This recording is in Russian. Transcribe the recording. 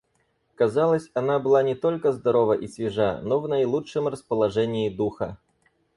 Казалось, она была не только здорова и свежа, но в наилучшем расположении духа.